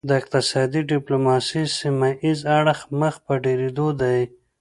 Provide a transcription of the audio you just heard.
د اقتصادي ډیپلوماسي سیمه ایز اړخ مخ په ډیریدو دی